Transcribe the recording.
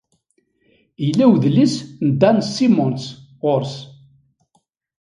Yella wedlis n Dan Simmons ɣur-s.